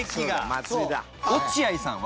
落合さんは？